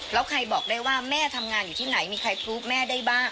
แล้วใครบอกได้ว่าแม่ทำงานอยู่ที่ไหนมีใครพลุแม่ได้บ้าง